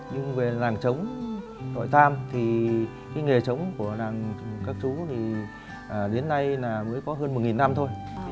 nhưng về làng trống đoại tam thì cái nghề trống của làng các chú thì đến nay mới có hơn một năm thôi